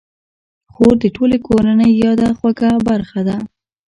خور د ټولې کورنۍ یاده خوږه برخه ده.